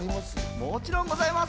もちろんございます。